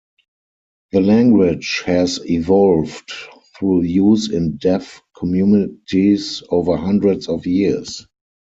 The language has evolved through use in deaf communities over hundreds of years.